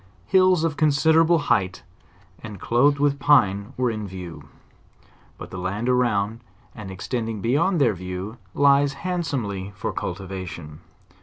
Hills of considerable height, and clothed with pine, were in vietv; but the land around, and extending beyond their view, lies handsomely for cultivation.